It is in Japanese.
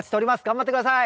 頑張って下さい！